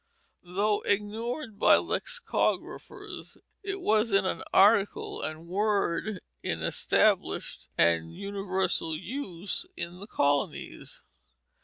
Though ignored by lexicographers, it was an article and word in established and universal use in the colonies.